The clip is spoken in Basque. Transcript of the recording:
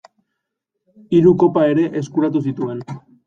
Hiru kopa ere eskuratu zituen.